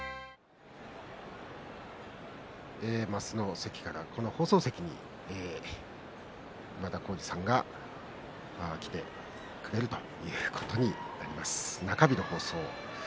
升の席からこの放送席に今田耕司さんが来てくれるということになりました中日の放送。